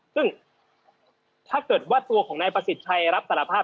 ซึ่งถ้าเกิดว่าตัวของนายประสิทธิ์ชัยรับสารภาพ